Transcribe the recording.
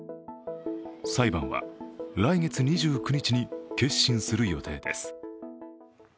裁判は来月２９日に結審する予定です。